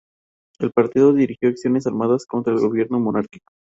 El partido dirigió acciones armadas contra el gobierno monárquico.